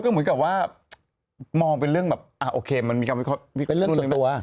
รูไกขวางได้ไม่เล็กนึง